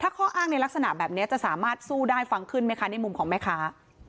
ข้ออ้างในลักษณะแบบนี้จะสามารถสู้ได้ฟังขึ้นไหมคะในมุมของแม่ค้า